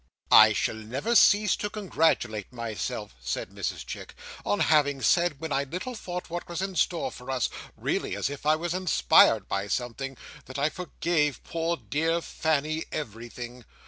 I shall never cease to congratulate myself," said Mrs Chick," on having said, when I little thought what was in store for us,—really as if I was inspired by something,—that I forgave poor dear Fanny everything.